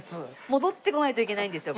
戻ってこないといけないんですよ